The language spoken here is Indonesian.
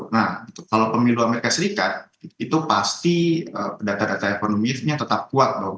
nah kalau pemilu amerika serikat itu pasti data data ekonominya tetap kuat dong